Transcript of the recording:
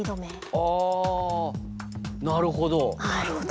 ああなるほど。